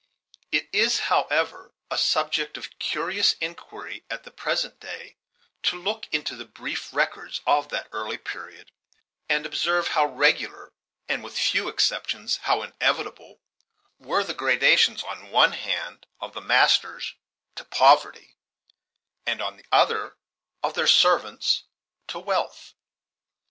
It is, however, a subject of curious inquiry at the present day, to look into the brief records of that early period, and observe how regular, and with few exceptions how inevitable, were the gradations, on the one hand, of the masters to poverty, and on the other, of their servants to wealth.